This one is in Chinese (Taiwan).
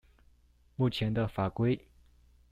目前的法規